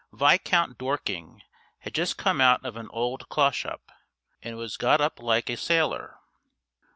Viscount Dorking had just come out of an old clo' shop, and was got up like a sailor.